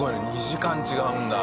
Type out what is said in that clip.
２時間違うんだ。